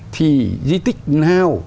thì di tích nào